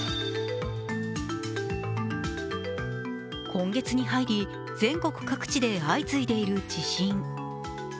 今月に入り、全国各地で相次いでいる地震。